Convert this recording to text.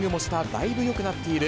だいぶよくなっている。